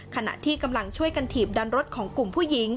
ขณะที่กำลังช่วยกันถีบดันรถของกลุ่มผู้หญิง